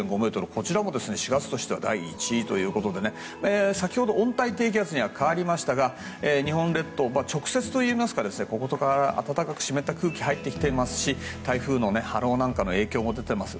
こちらも４月としては第１位ということで先ほど温帯低気圧に変わりましたが日本列島を、直接といいますか暖かく湿った空気が入ってきていますし台風の波浪の影響も出ています。